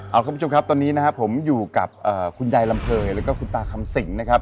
ครับคุณผู้ชมครับตอนนี้ผมอยู่กับคุณยายรำเภยและคุณตาคำสิง